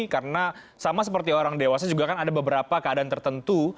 karena sama seperti orang dewasa juga kan ada beberapa keadaan tertentu